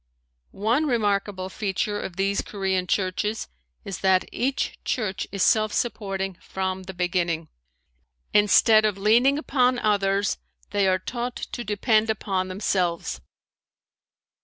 One remarkable feature of these Korean churches is that each church is self supporting from the beginning. Instead of leaning upon others they are taught to depend upon themselves.